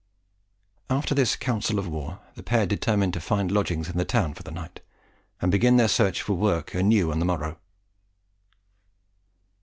After this council of war, the pair determined to find lodgings in the town for the night, and begin their search for work anew on the morrow.